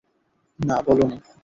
না, বলোনি।